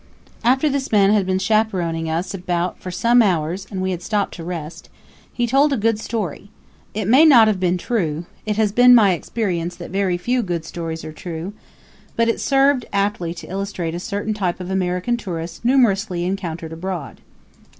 After this man had been chaperoning us about for some hours and we had stopped to rest, he told a good story. It may not have been true it has been my experience that very few good stories are true; but it served aptly to illustrate a certain type of American tourist numerously encountered abroad.